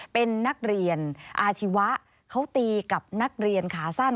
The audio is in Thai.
เป็นนักเรียนอาชีวะเขาตีกับนักเรียนขาสั้น